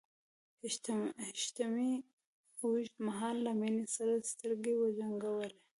حشمتي اوږد مهال له مينې سره سترګې وجنګولې.